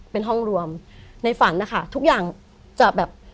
เป็นห้องรวมในฝันนะคะทุกอย่างจะแบบ